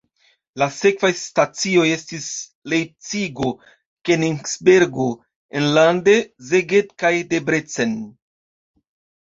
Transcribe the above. La sekvaj stacioj estis Lejpcigo, Kenigsbergo, enlande Szeged kaj Debrecen.